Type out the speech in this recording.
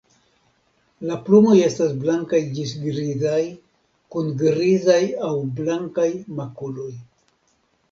La plumoj estas blankaj ĝis grizaj kun grizaj aŭ blankaj makuloj.